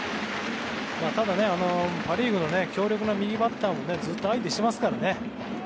ただパ・リーグの強力な右バッターをずっと相手にしてますからね。